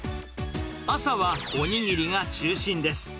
朝はお握りが中心です。